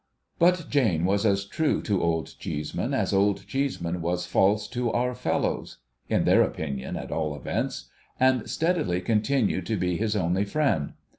But Jane was as true to Old Cheeseman as Old Cheeseman was false to our fellows — in their opinion, at all events — and steadily continued to be his only friend.